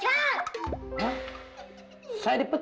hah saya dipecat